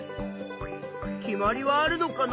決まりはあるのかな？